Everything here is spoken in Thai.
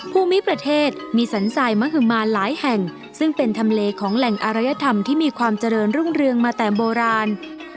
ภูมิประเทศมีสรรทรายมหมานหลายแห่งซึ่งเป็นทำเลของแหล่งอารยธรรมที่มีความเจริญรุ่งเรืองมาแต่โบราณ